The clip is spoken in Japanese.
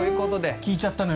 聞いちゃったのよ。